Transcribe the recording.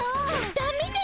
ダメですよ。